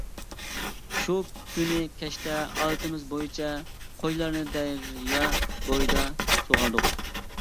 شۇ كۈنى كەچتە ئادىتىمىز بويىچە قويلارنى دەريا بويىدا سۇغاردۇق.